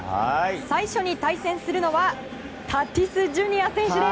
最初に対戦するのはタティスＪｒ．選手です。